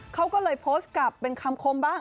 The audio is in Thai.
เขาก็เลยโพสต์กลับเป็นคำคมบ้าง